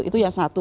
itu ya satu